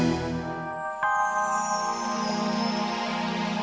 saya juga suka makan ayam penyet